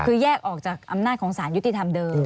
คือแยกออกจากอำนาจของสารยุติธรรมเดิม